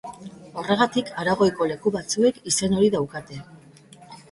Horregatik Aragoiko leku batzuek izen hori daukate.